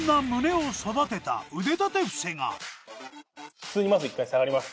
普通にまず１回下がります。